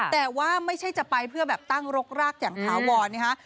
แต่ว่าไม่ใช่จะไปเพื่อแบบตั้งรกรากอย่างถาวรนะฮะ